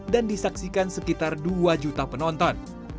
dan disaksikan sekitar dua juta penonton